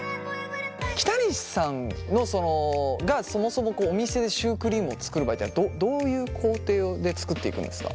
北西さんがそもそもお店でシュークリームを作る場合ってどういう工程で作っていくんですか？